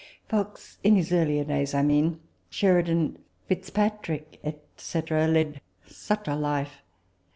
Fox (in his earlier days, I mean), Sheridan, Fitzpatrick, &c., led such a life